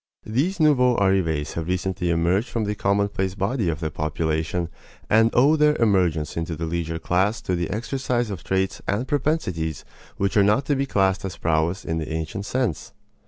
These nouveaux arrivés have recently emerged from the commonplace body of the population and owe their emergence into the leisure class to the exercise of traits and propensities which are not to be classed as prowess in the ancient sense.